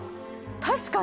確かに！